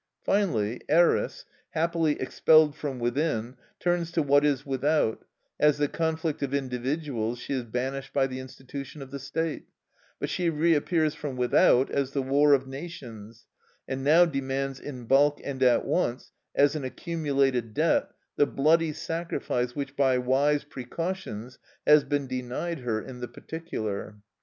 Finally, Eris, happily expelled from within, turns to what is without; as the conflict of individuals, she is banished by the institution of the state; but she reappears from without as the war of nations, and now demands in bulk and at once, as an accumulated debt, the bloody sacrifice which by wise precautions has been denied her in the particular.